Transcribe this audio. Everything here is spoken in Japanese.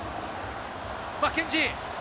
マッケンジー。